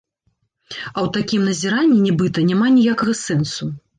А ў такім назіранні, нібыта, няма ніякага сэнсу.